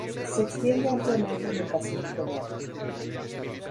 Se extiende ampliamente en el Pacífico Norte.